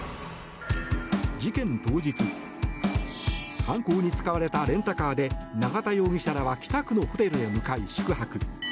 事件当日犯行に使われたレンタカーで永田容疑者らは北区のホテルへ向かい宿泊。